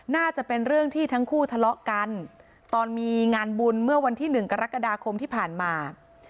น่าจะเป็นเรื่องที่ทั้งคู่ทะเลาะกันตอนมีงานบุญเมื่อวันที่๑กรกฎาคมที่ผ่านมา